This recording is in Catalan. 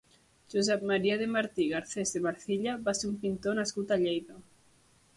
Josep Maria de Martí Garcés de Marcilla va ser un pintor nascut a Lleida.